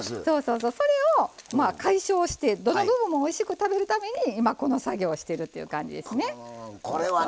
それを解消してどの部分もおいしく食べるために今、この作業をしてるっていう感じですね。